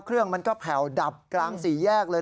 เครื่องมันก็แผ่วดับกลางสี่แยกเลย